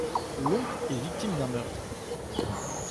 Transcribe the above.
L'oncle est victime d'un meurtre.